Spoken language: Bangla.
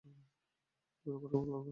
জোরাভার কালরা, সরকারী এজেন্ট।